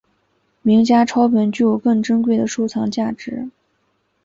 名家抄本具有更珍贵的收藏价值。